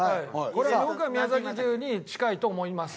これは僕は宮崎牛に近いと思います。